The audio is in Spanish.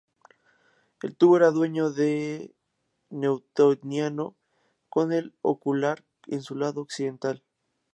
El tubo era de diseño newtoniano, con el ocular en su lado occidental.